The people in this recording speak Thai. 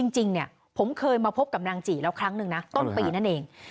จริงผมเคยมาพบกับนางจีแล้วครั้งหนึ่งนะต้นปีนั่นเอง